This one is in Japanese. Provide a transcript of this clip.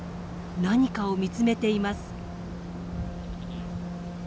何かを見つめています。